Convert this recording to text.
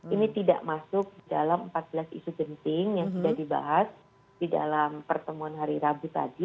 ini tidak masuk dalam empat belas isu genting yang sudah dibahas di dalam pertemuan hari rabu tadi